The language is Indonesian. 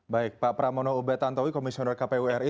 baik pak pramono ubetantowi komisioner kpu ri